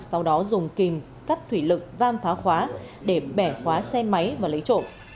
sau đó dùng kìm cắt thủy lực vam phá khóa để bẻ khóa xe máy và lấy trộm